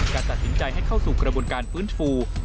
การตัดสินใจให้เข้าสู่กระบวนการฟื้นฟู